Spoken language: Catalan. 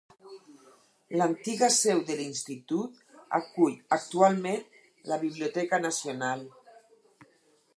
L'antiga seu de l'institut acull actualment la Biblioteca Nacional.